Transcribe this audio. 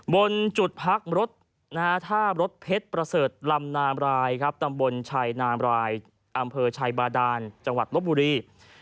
บนจุดพักรถท่ารถเพชรประเสริฐลำนามรายครับตำบลชัยนามรายอำเภอชัยบาดานจังหวัดลบบุรี